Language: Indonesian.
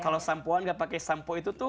kalau sampoan nggak pakai sampo itu tuh